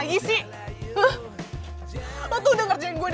kita sudah cuma bertah deepen